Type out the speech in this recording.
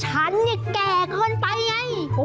ฉันเนี่ยแก่เกินไปไง